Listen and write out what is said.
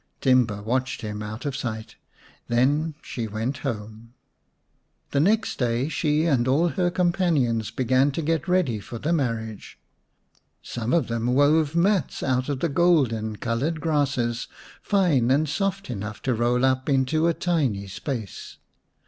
Timba watched him out of sight ; then she went home. The next day she and all her companions began to get ready for the marriage. Some of 85 The Serpent's Bride vm them wove mats out of the golden coloured grasses, fine and soft enough to roll up into a tiny space.